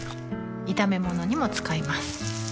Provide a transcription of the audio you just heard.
炒め物にも使います